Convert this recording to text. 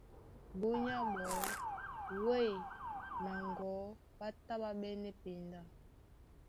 Búnyá ɓɔɔ́ wêy na ŋgɔ̌ ɓá tá ɓá ɓɛ́nɛ́ penda.